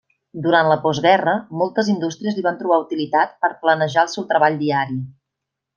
Durant la postguerra, moltes indústries li van trobar utilitat per planejar el seu treball diari.